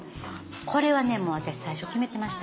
これは私最初決めてました。